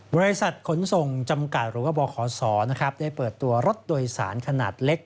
บริษัทขนส่งจำกัดหรือว่าบขศได้เปิดตัวรถโดยสารขนาดเล็ก